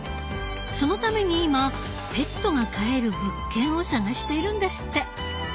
そのために今ペットが飼える物件を探しているんですって。